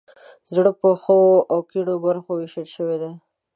زړه په ښیو او کیڼو برخو ویشل شوی دی.